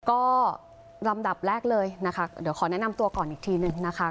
ก็ลำดับแรกเลยนะคะเดี๋ยวขอแนะนำตัวก่อนอีกทีหนึ่งนะคะ